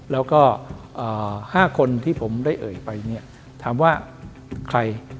แล้วก็๕คนที่ผมได้เอ่ยไปเนี่ยถามว่าใคร